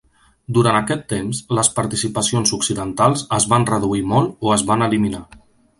Durant aquest temps, les participacions occidentals es van reduir molt o es van eliminar.